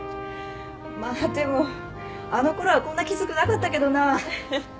まあでもあのころはこんなきつくなかったけどなぁ。